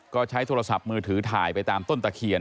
ก็ใช้โทรศัพท์มือถือถ่ายไปตามต้นตะเคียน